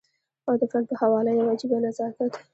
او د فن په حواله يو عجيبه نزاکت